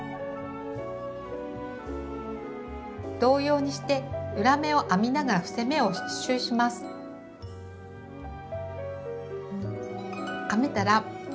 同様にして裏目を編みながら伏せ目を１周します。